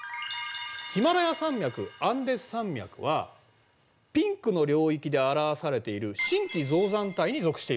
ヒマラヤ山脈アンデス山脈はピンクの領域で表されている新期造山帯に属しているんだ。